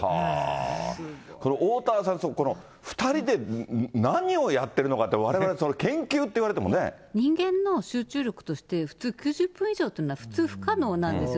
これ、おおたわさん、２人で何をやってるのかって、われわれ人間の集中力として、普通９０分以上というのは普通不可能なんですよ。